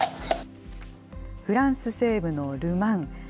フランス西部のル・マン。